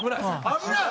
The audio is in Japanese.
危ない！？